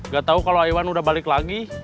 gak tau kalau iwan udah balik lagi